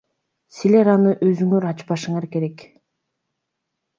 Силер аны өзүңөр ачпашыңар керек.